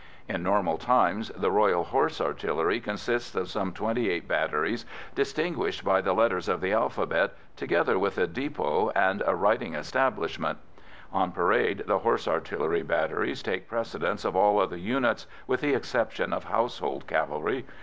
In normal times the Royal Horse Artillery consists of some twenty eight batteries, distinguished by the letters of the alphabet, together with a depot and a riding establishment. On parade the Horse Artillery batteries take precedence of all other units, with the exception of Household Cavalry.